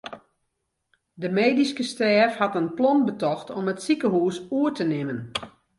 De medyske stêf hat in plan betocht om it sikehûs oer te nimmen.